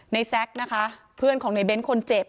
แซ็กนะคะเพื่อนของในเบ้นคนเจ็บ